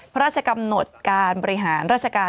พระราชกำหนดการบริหารราชการ